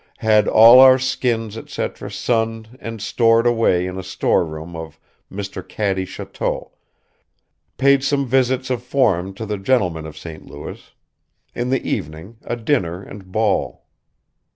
had all our skins &c suned and stored away in a storeroom of Mr. Caddy Choteau, payed some visits of form, to the gentlemen of St. Louis, in the evening a dinner & Ball.